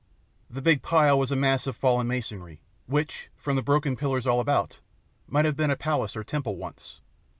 The big pile was a mass of fallen masonry, which, from the broken pillars all about, might have been a palace or temple once.